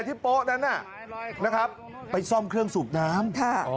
ที่โป๊ะนั้นน่ะนะครับไปซ่อมเครื่องสูบน้ำอ๋อ